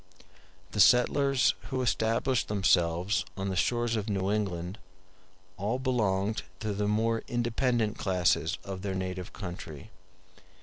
The settlers who established themselves on the shores of New England all belonged to the more independent classes of their native country.